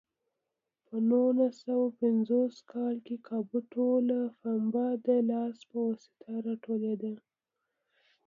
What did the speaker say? په نولس سوه پنځوس کال کې کابو ټوله پنبه د لاس په واسطه راټولېده.